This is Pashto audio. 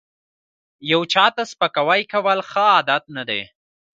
یو چاته سپکاوی کول ښه عادت نه دی